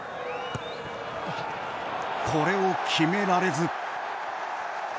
これを決められず。